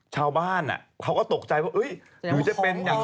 ชาวบ้านเขาก็ตกใจเฮ้ยหรือจะเป็นอย่าง